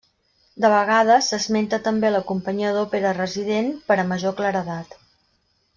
De vegades s'esmenta també la companyia d'òpera resident per a major claredat.